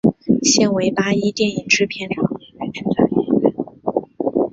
现为八一电影制片厂演员剧团演员。